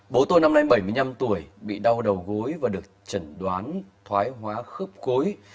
bố tôi năm nay bảy mươi năm tuổi bị đau đầu gối và được chẩn đoán thoái hóa khớp gối